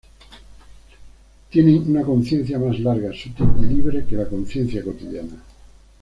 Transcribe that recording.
Tienen una conciencia más larga, sutil y libre que la conciencia cotidiana.